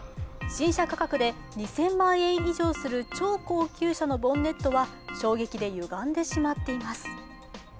新車価格で２０００万円以上する超高級車のボンネットは衝撃でゆがんでしまっています。